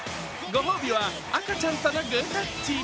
ご褒美は赤ちゃんとのグータッチ。